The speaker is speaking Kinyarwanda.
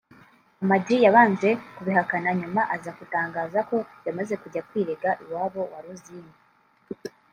Ama-G yabanje kubihakana nyuma aza kuzatangaza ko yamaze kujya kwirega iwabo wa Rosine